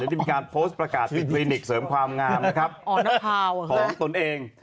ที่มีการโพสต์ประกาศที่เวนิกเสริมความงามนะครับอ๋อน้ำพราวของตนเอง